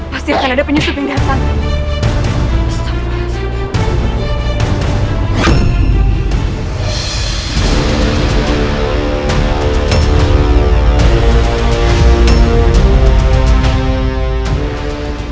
pasti akan ada penyusup yang biasa